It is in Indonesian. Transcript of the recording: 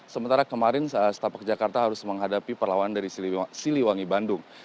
sementara kemarin setapak jakarta harus menghadapi perlawan dari siliwangi bandung